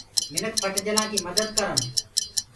مِنک ڦٽجلآنٚ ڪي مدت ڪرن۔